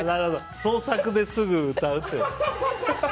創作ですぐ歌うと。